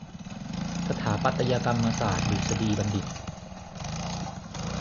สถาปัตยกรรมศาสตรดุษฎีบัณฑิต